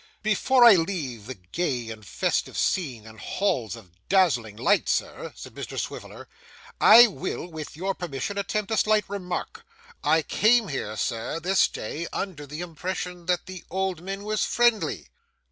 'Before I leave the gay and festive scene, and halls of dazzling light, sir,' said Mr Swiveller, 'I will with your permission, attempt a slight remark. I came here, sir, this day, under the impression that the old min was friendly.